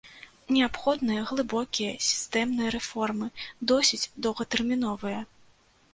Неабходныя глыбокія, сістэмныя рэформы, досыць доўгатэрміновыя.